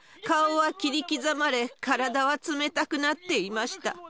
顔は切り刻まれ、体は冷たくなっていました。